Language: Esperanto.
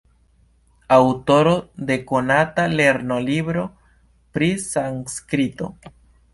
Aŭtoro de konata lernolibro pri sanskrito.